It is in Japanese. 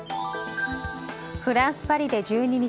フランス・パリで１２日